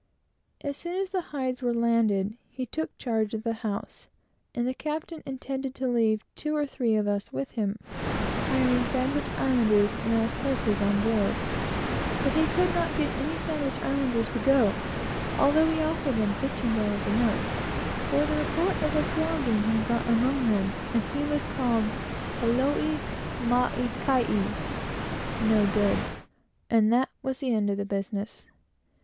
As soon as the hides were landed, he took charge of the house, and the captain intended to leave two or three of us with him, hiring Sandwich Islanders to take our places on board; but he could not get any Sandwich Islanders to go, though he offered them fifteen dollars a month; for the report of the flogging had got among them, and he was called "aole maikai," (no good,) and that was an end of the business.